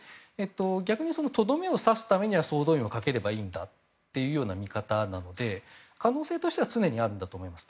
逆にとどめを刺すためには総動員をかければいいんだというような見方なので可能性としては常にあるんだと思います。